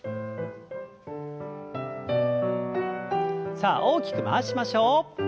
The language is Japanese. さあ大きく回しましょう。